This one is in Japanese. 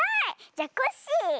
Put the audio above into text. じゃコッシー！